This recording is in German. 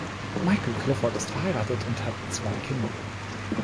Michael Clifford ist verheiratet und hat zwei Kinder.